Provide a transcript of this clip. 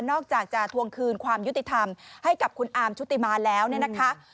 อกจากจะทวงคืนความยุติธรรมให้กับคุณอาร์มชุติมาแล้วเนี่ยนะคะ